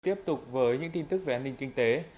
tiếp tục với những tin tức về an ninh kinh tế